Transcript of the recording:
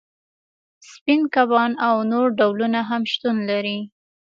سپین کبان او نور ډولونه هم شتون لري